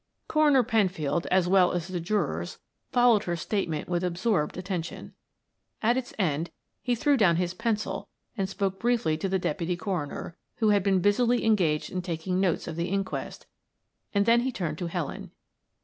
Coroner Penfield, as well as the jurors, followed her statement with absorbed attention. At its end he threw down his pencil and spoke briefly to the deputy coroner, who had been busily engaged in taking notes of the inquest, and then he turned to Helen.